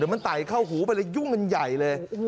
มันไต่เข้าหูไปเลยยุ่งกันใหญ่เลย